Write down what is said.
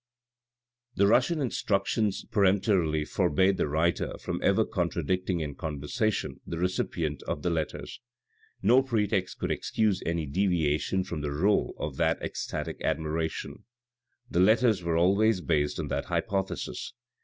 The Russian instructions peremptorily forbade the writer from ever contradicting in conversation the recipient of the letters. No pretext could excuse any deviation from the role of that most estatic admiration. The letters were always based on that hypothesis.